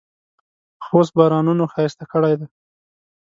خوست بارانونو ښایسته کړی دی.